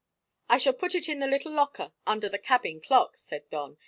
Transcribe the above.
"I shall put it in the little locker under the cabin clock," said Don.